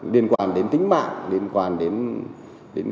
liên quan đến tính mạng liên quan đến